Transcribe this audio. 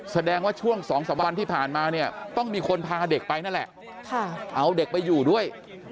แสดงว่าช่วง๒๓วันที่ผ่านมาเนี่ยต้องมีคนพาเด็กไปนั่นแหละเอาเด็กไปอยู่ด้วย